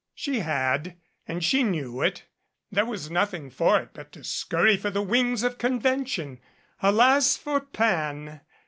She had ; and she knew it. There was nothing for it but to skurry for the wings of convention. Alas, for Pan!